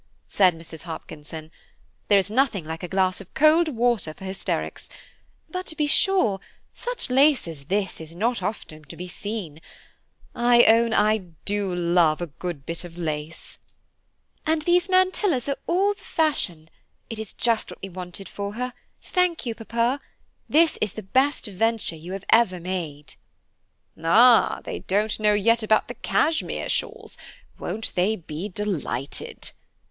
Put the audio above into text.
said Mrs. Hopkinson, "there is nothing like a glass of cold water for hysterics; but to be sure, such lace as this is not often to be seen. I own I do love a bit of good lace." "And these mantillas are all the fashion. It is just what we wanted for her, thank you, papa; this is the best venture you have ever made." "Ah, they don't know yet about the Cashmere shawls; won't they be delighted?"